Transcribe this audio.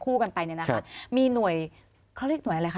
ก็คู่กันไปมีหน่วย